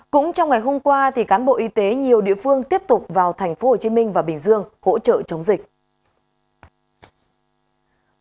cũng trong ngày hôm qua cán bộ y tế nhiều địa phương tiếp tục vào tp hcm và bình dương hỗ trợ chống dịch